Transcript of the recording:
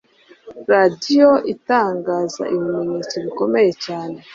Radiyo itangaza ibimenyetso bikomeye cyane.